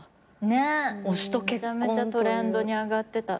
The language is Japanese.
めちゃめちゃトレンドに上がってた。